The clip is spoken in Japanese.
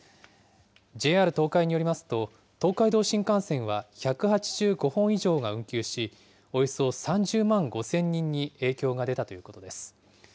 ＪＲ東海によりますと、東海道新幹線は１８５本以上が運休し、およそ３０万５０００人に影響が出たということです。